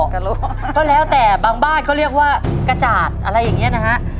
กะโลก็แล้วแต่บางบ้านเขาเรียกว่ากระจาดอะไรอย่างเงี้ยนะฮะ